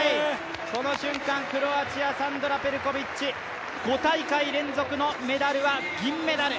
この瞬間、クロアチアサンドラ・ペルコビッチ５大会連続のメダルは銀メダル。